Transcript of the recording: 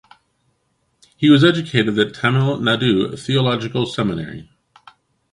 He was educated at Tamil Nadu Theological Seminary.